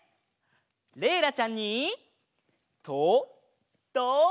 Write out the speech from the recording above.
れいらちゃんにとどけ！